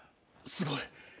すごい！